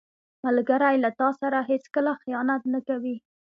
ملګری له تا سره هیڅکله خیانت نه کوي